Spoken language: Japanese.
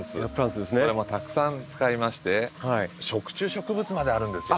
これもたくさん使いまして食虫植物まであるんですよ。